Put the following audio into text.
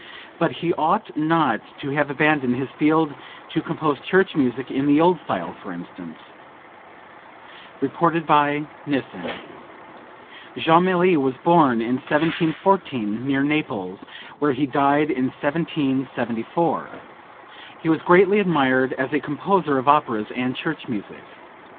But he ought not to have abandoned his field to compose church music in the old style, for instance." (Reported by Nissen. Jomelli was born in 1714 near Naples, where he died in 1774. He was greatly admired as a composer of operas and church music.